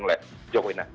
ngelihat jokowi nah